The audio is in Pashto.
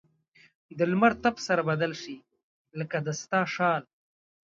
د لمر تپ سره بدل شي؛ لکه د ستا شال.